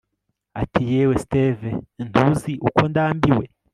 ati yewe steve, ntuzi uko ndambiwe